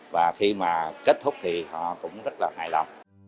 và khi mà kết thúc thì họ cũng rất là hài lòng